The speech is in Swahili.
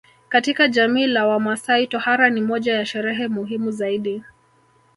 Katika jamii ya wamaasai tohara ni moja ya sherehe muhimu zaidi